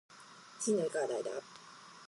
しんどい課題だ